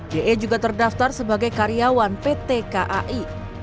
de juga terdaftar sebagai karyawan pt kai